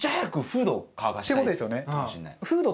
って事ですよね。